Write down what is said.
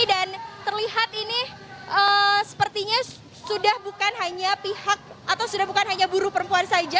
dan terlihat ini sepertinya sudah bukan hanya pihak atau sudah bukan hanya buru perempuan saja